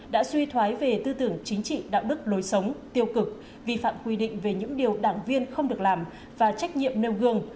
đã suy thoái về tư tưởng chính trị đạo đức lối sống tiêu cực vi phạm quy định về những điều đảng viên không được làm và trách nhiệm nêu gương